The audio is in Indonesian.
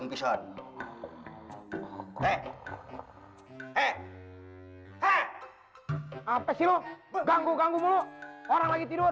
eh eh apa sih lo ganggu ganggu mulu orang lagi tidur